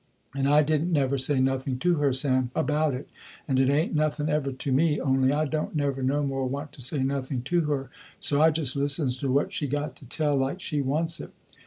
And I didn't never say nothing to her, Sam, about it, and it ain't nothing ever to me, only I don't never no more want to say nothing to her, so I just listens to what she got to tell like she wants it.